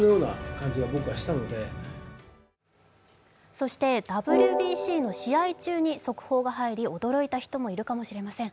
そしてＷＢＣの試合中に速報が入り、驚いた人もいるかもしれません。